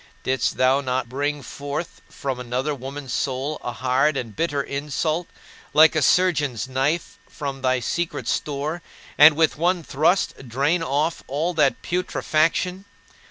Didst thou not bring forth from another woman's soul a hard and bitter insult, like a surgeon's knife from thy secret store, and with one thrust drain off all that putrefaction?